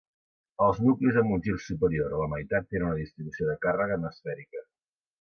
Els nuclis amb un gir superior a la meitat tenen una distribució de càrrega no esfèrica.